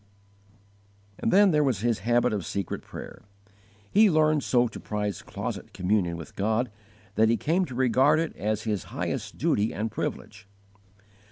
20. His habit of secret prayer. He learned so to prize closet communion with God that he came to regard it as his highest duty and privilege.